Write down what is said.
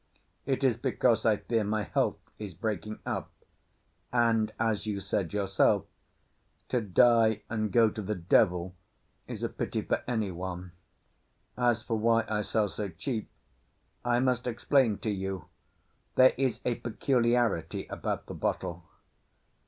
"It is because I fear my health is breaking up; and, as you said yourself, to die and go to the devil is a pity for anyone. As for why I sell so cheap, I must explain to you there is a peculiarity about the bottle.